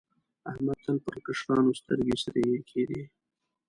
احمد تل پر کشرانو سترګې سرې کېدې.